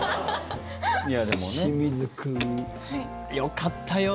清水君、よかったよ